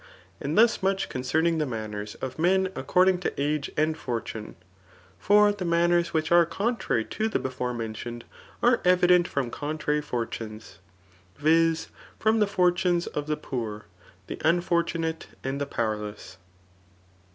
And thus much concerning the manners of men accord ing to age and fortune ; for the manners which are coiw trary to the before mentioned, are evident from contrary [fortunes ;] viz. from the fortunes of the poor, the ua fortunate, and the powerless.